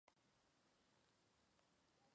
Presenta hoja nasal pequeña.